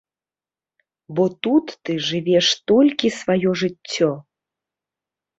Бо тут ты жывеш толькі сваё жыццё.